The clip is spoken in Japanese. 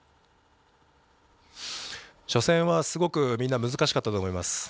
初戦はすごくみんな難しかったと思います。